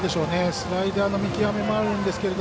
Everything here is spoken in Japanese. スライダーの見極めもあるんですけれど